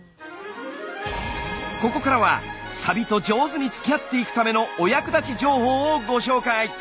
ここからはサビと上手につきあっていくためのお役立ち情報をご紹介。